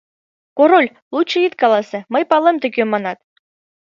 Король, лучо ит каласе, мый палем, тый кӧм манат.